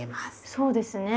そうですね。